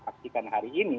aktifkan hari ini